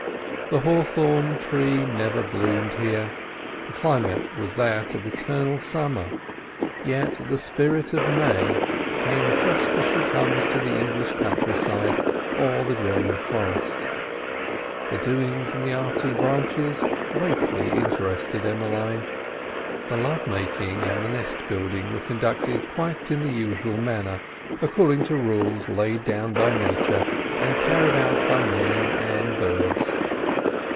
The hawthorn tree never bloomed here, the climate was that of eternal summer, yet the spirit of May came just as she comes to the English countryside or the German forest. The doings in the artu branches greatly interested Emmeline. The love making and the nest building were conducted quite in the usual manner, according to rules laid down by Nature and carried out by men and birds.